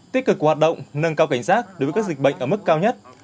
tích cực của hoạt động nâng cao cảnh giác đối với các dịch bệnh ở mức cao nhất